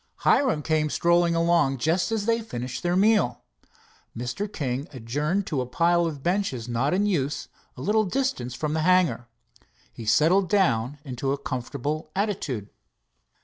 Hiram came strolling along just as they finished their meal. Mr. King adjourned to a pile of benches not in use at a little distance from the hangar. He settled down into a comfortable attitude.